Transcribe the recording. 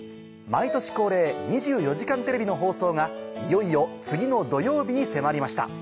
毎年恒例『２４時間テレビ』の放送がいよいよ次の土曜日に迫りました。